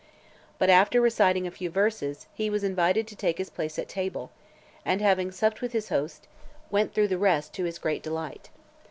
But after reciting a few verses, he was invited to take his place at table, and, having supped with his host, went through the rest to his great delight.